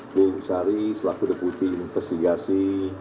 bu sari selaku deputi investigasi